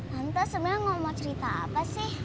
tante sebenarnya ngomong cerita apa sih